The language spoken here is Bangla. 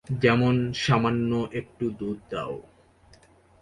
যেমনঃ সামান্য একটু দুধ দাও।